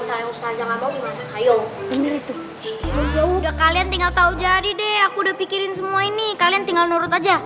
ya udah kalian tinggal tahu jadi deh aku udah pikirin semua ini kalian tinggal nurut aja